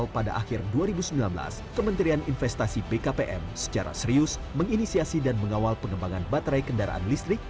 pada akhir dua ribu sembilan belas kementerian investasi bkpm secara serius menginisiasi dan mengawal pengembangan baterai kendaraan listrik